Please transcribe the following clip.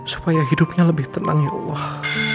supaya hidupnya lebih tenang ya allah